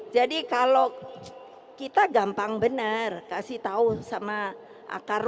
jadi kalau kita gampang benar kasih tahu sama akarung